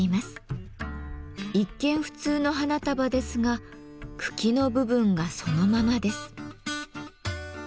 一見普通の花束ですが茎の部分がそのままです。